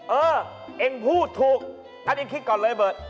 เออเองพูดถูกอันนี้คิดก่อนเลยเบิร์ต